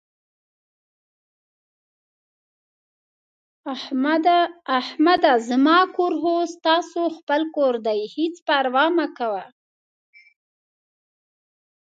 احمده زما کور خو ستاسو خپل کور دی، هېڅ پروا مه کوه...